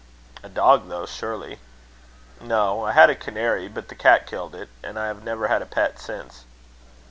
"A dog though, surely?" "No. I had a canary, but the cat killed it, and I have never had a pet since."